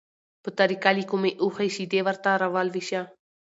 په طریقه له کومې اوښې شیدې ورته راولوشه،